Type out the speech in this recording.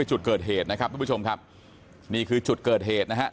จุดเกิดเหตุนะครับทุกผู้ชมครับนี่คือจุดเกิดเหตุนะฮะ